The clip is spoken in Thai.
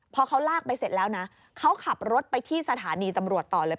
พอเขาลากไปเสร็จแล้วนะเขาขับรถไปที่สถานีตำรวจต่อเลย